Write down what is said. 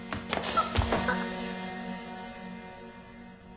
あっ。